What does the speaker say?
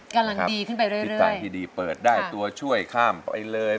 กำลังดีขึ้นไปเรื่อยทิศทางที่ดีเปิดได้ตัวช่วยข้ามไปเลย